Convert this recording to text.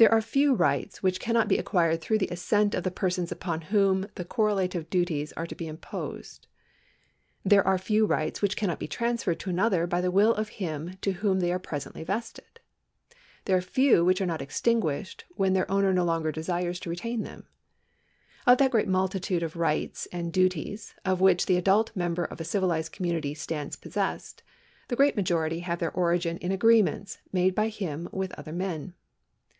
There are few rights which cannot be acquired through the assent of the persons upon whom the correlative duties are to be imposed. There are few rights which cannot be transferred to another by the will of him in whom they are presently vested. There are few which are not extinguished when their owner no longer desires to retain them. Of that great multitude of rights and duties of which the adult member of a civilised community stands possessed, the great majority have their origin in agreements made by him with other men.